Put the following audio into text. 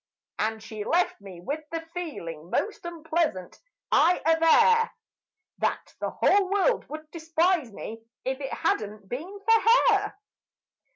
And she left me with the feeling most unpleasant, I aver That the whole world would despise me if it had not been for her.